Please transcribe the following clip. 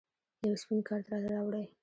یو سپین کارت راته راوړئ